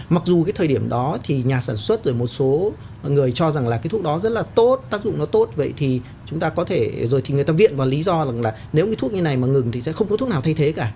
mặc dù cái thời điểm đó thì nhà sản xuất rồi một số người cho rằng là cái thuốc đó rất là tốt tác dụng nó tốt vậy thì chúng ta có thể rồi thì người ta viện vào lý do rằng là nếu cái thuốc như này mà ngừng thì sẽ không có thuốc nào thay thế cả